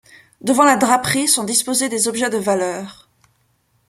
Devant la draperie sont disposés des objets de valeur.